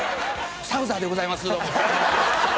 サウザーでございますどうも。